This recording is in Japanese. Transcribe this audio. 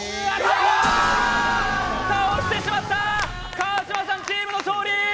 川島さんチームの勝利！